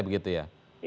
begitu ya iya